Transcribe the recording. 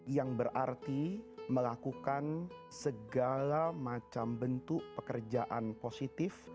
yang berarti melakukan segala macam bentuk pekerjaan positif